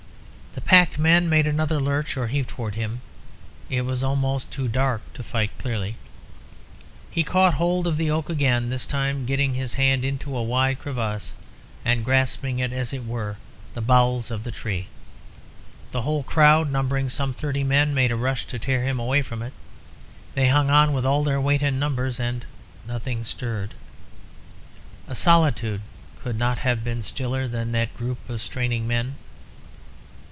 The packed men made another lurch or heave towards him; it was almost too dark to fight clearly. He caught hold of the oak again, this time getting his hand into a wide crevice and grasping, as it were, the bowels of the tree. The whole crowd, numbering some thirty men, made a rush to tear him away from it; they hung on with all their weight and numbers, and nothing stirred. A solitude could not have been stiller than that group of straining men.